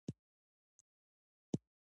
د سروبي بند په کابل کې دی